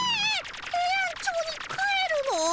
ヘイアンチョウに帰るの？